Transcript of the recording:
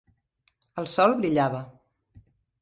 El sol brillava